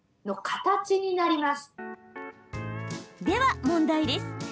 では問題です。